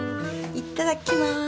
いっただっきまーす。